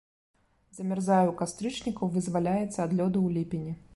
Замярзае ў кастрычніку, вызваляецца ад лёду ў ліпені.